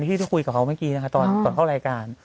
ที่ได้คุยกับเขาเมื่อกี้นะคะตอนก่อนเข้ารายการ